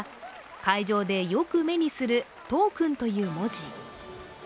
会場で良く目にするトークンという文字。